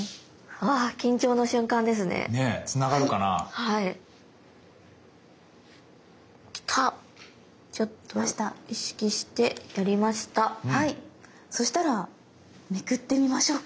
はいそしたらめくってみましょうか。